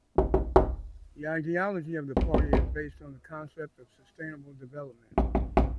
The ideology of the party is based on the concept of sustainable development.